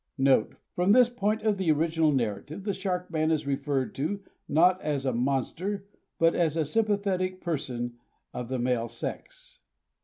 [_From this point of the original narrative the Shark Man is referred to, not as a monster, but as a sympathetic Person of the male sex.